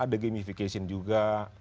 ada gamification juga